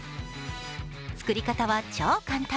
作り方は超簡単。